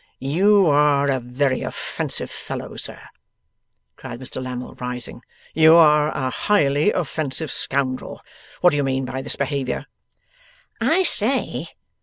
'You are a very offensive fellow, sir,' cried Mr Lammle, rising. 'You are a highly offensive scoundrel. What do you mean by this behaviour?' 'I say!